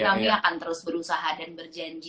kami akan terus berusaha dan berjanji